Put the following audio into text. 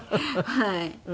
はい。